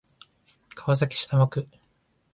川崎市多摩区